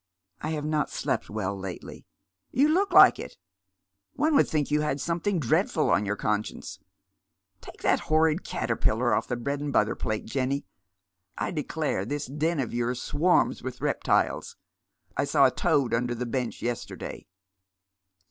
" I have not slept well lately." "You look like it. One would think you had somethin;r dreadful on your conscience. Take that horrid caterpillar off thf; bread and butter plate, Jenny. I declare this den of yours swarmx with reptiles. I saw a toad under the bench yesterday."